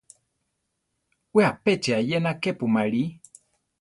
We apéchia eyéna kepu marí.